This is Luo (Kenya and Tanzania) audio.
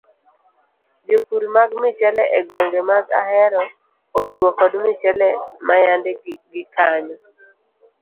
Jopur mag michele e gwenge mag ahero odiwo kod michele mayande gikayo.